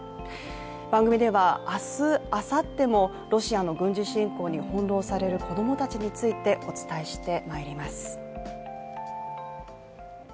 番組では明日、あさってもロシアの軍事侵攻にほんろうされる子供たちについてお伝えしてまいります。